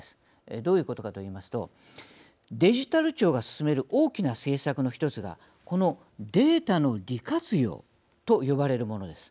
どういうことかといいますとデジタル庁が進める大きな政策の一つがこのデータの利活用と呼ばれるものです。